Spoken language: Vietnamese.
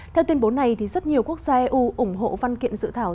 theo tuyên bố này rất nhiều quốc gia eu ủng hộ văn kiện dự thảo